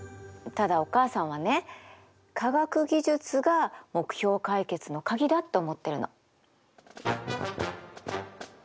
ただお母さんはね科学技術が目標解決の鍵だって思ってるの。